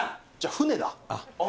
船だ。